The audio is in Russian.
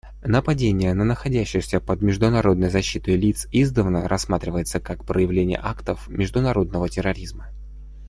Нападения на находящихся под международной защитой лиц издавна рассматриваются как проявление актов международного терроризма.